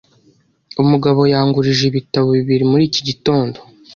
Umugabo yangurije ibitabo bibiri muri iki gitondo.